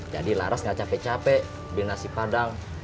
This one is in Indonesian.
jadi laras enggak capek capek beli nasi padang